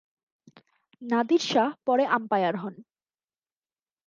নাদির শাহ পরে আম্পায়ার হন।